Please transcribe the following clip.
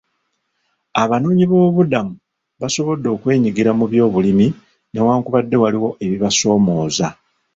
Abanoonyiboobubudamu basobodde okwenyigira mu byobulimi newankubadde waliwo ebibasoomooza.